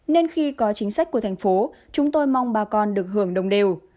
nên khi có chính sách của thành phố chúng tôi mong bà con được hưởng đồng đều